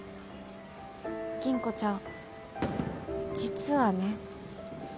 吟子ちゃん実はね。